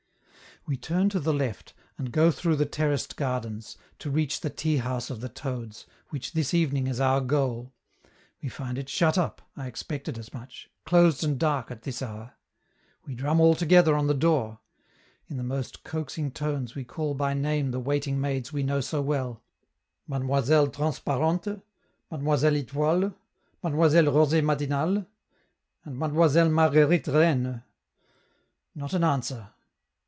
We turn to the left, and go through the terraced gardens, to reach the tea house of the toads, which this evening is our goal; we find it shut up I expected as much closed and dark, at this hour! We drum all together on the door; in the most coaxing tones we call by name the waiting maids we know so well: Mademoiselle Transparente, Mademoiselle Etoile, Mademoiselle Rosee matinale, and Mademoiselle Margueritereine. Not an answer.